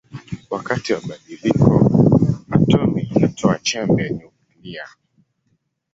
Wakati wa badiliko atomi inatoa chembe nyuklia.